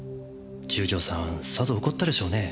十条さんさぞ怒ったでしょうね。